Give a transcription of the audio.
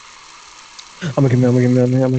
আমাকে চলে যেতে হবে।